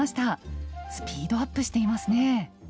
スピードアップしていますね！